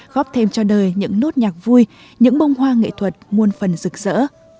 góp thêm cho đời những nốt nhạc vui những bông hoa nghệ thuật muôn phần rực rỡ